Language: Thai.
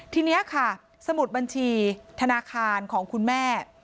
ทีนี้ค่ะสมุดบัญชีธนาคารของคุณแม่